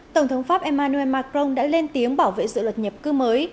tổng thống pháp emmanuel macron đã lên tiếng bảo vệ dự luật nhập cư mới